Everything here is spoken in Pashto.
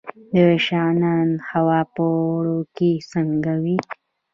د شغنان هوا په اوړي کې څنګه وي؟